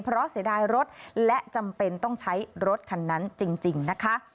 เพราะเสียดายรถและจำเป็นต้องใช้รถคันนั้นจริงนะคะ